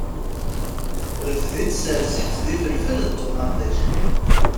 Rfed-itt sers-itt d ifelfel d ṭumaṭic.